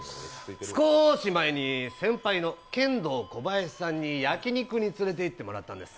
少し前に先輩のケンドーコバヤシさんに焼き肉につれていってもらったんです。